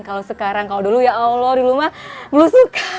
kalau sekarang kalau dulu ya allah dulu mah belum suka